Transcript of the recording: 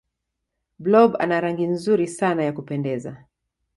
blob ana rangi nzuri sana ya kupendeza